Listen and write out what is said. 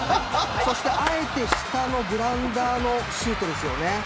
そして、あえて下のグラウンダーのシュートです。